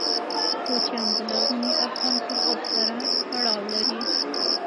کوچیان د لرغوني افغان کلتور سره تړاو لري.